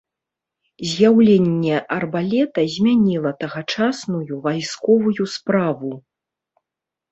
З'яўленне арбалета змяніла тагачасную вайсковую справу.